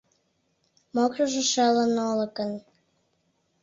Мокшыжо шелын Олыкын.